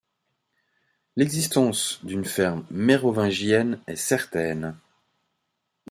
L'existence d'une ferme mérovingienne est certaine.